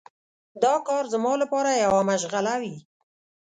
دا کار زما لپاره یوه مشغله وي.